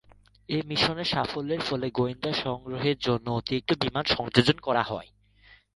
এই মিশনের সাফল্যের ফলে গোয়েন্দা সংগ্রহের জন্য অতিরিক্ত বিমান সংযোজন করা হয়।